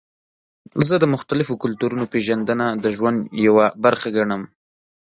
زه د مختلفو کلتورونو پیژندنه د ژوند یوه برخه ګڼم.